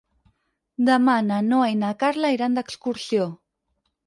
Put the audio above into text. Demà na Noa i na Carla iran d'excursió.